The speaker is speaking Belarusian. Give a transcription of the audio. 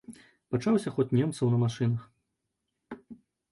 Пачаўся ход немцаў на машынах.